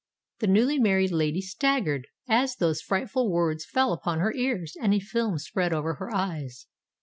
The newly married lady staggered, as these frightful words fell upon her ears—and a film spread over her eyes.